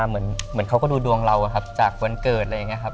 เหมือนเค้าดูดวงเราจากวันเกิด